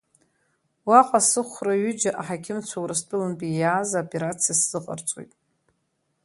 Уаҟа сыхәра ҩыџьа аҳақьымцәа Урыстәылантәи иааз аоперациа сзыҟарҵоит.